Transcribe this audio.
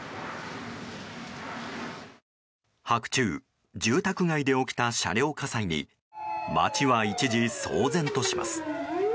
白昼、住宅街で起きた車両火災に街は一時騒然とします。